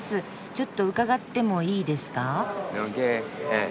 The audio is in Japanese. ちょっと伺ってもいいですか？